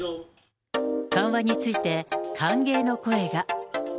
緩和について、歓迎の声が。